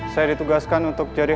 saya ditugaskan untuk jadi